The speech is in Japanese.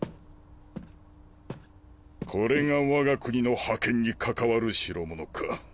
これがわが国の覇権に関わる代物か。